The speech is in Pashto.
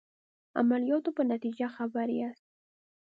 عملیاتو په نتیجه خبر یاست.